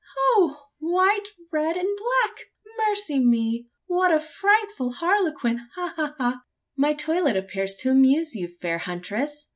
"Ho! white, red, and black! Mercy on me, what a frightful harlequin! Ha, ha, ha!" "My toilet appears to amuse you, fair huntress?